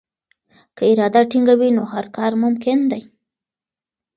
که اراده ټینګه وي نو هر کار ممکن دی.